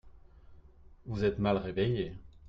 Vous êtes mal réveillé.